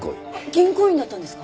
銀行員だったんですか？